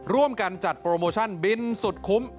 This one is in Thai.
ร่วมกันจัดโปรโมชั่นบินสุดคุ้ม